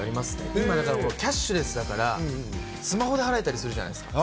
今、キャッシュレスだから、スマホで払えたりするじゃないですか、